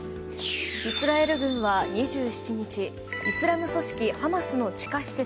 イスラエル軍は２７日イスラム組織ハマスの地下施設